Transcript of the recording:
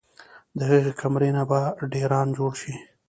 د هغې کمرې نه به ډېران جوړ شي